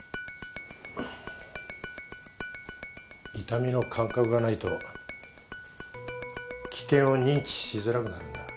痛みの感覚がないと危険を認知しづらくなるんだ。